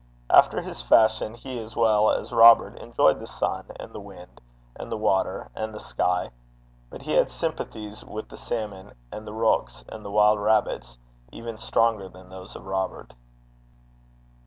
After his fashion he as well as Robert enjoyed the sun and the wind and the water and the sky; but he had sympathies with the salmon and the rooks and the wild rabbits even stronger than those of Robert.